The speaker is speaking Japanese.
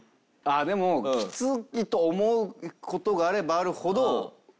でもきついと思う事があればあるほどあ